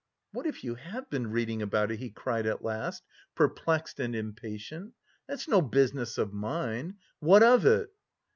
"What if you have been reading about it?" he cried at last, perplexed and impatient. "That's no business of mine! What of it?"